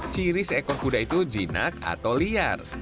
ciri seekor kuda itu jinak atau liar